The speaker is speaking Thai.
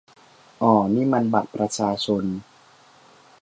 อ่อ นี่มันบัตรประชาชน